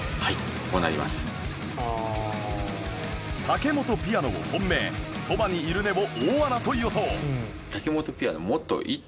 『タケモトピアノ』を本命『そばにいるね』を大穴と予想